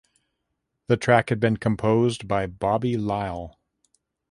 The track had been composed by Bobby Lile.